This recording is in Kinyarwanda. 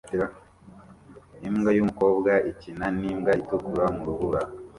Imbwa yumukobwa ikina nimbwa itukura mu rubura